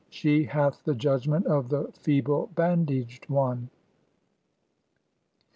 She hath the judgment of the feeble bandaged one."